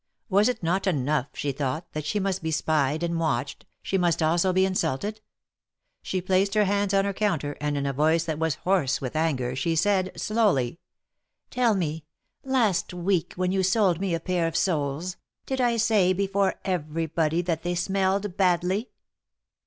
Was it not enough, she thought, that she must be spied and watched — she must also be insulted ! She placed her hands on her counter, and in a voice that was hoarse with anger, she said, slowly :" Tell me ; last week, when you sold me a pair of soles, did I say before everybody that they smelled badly?"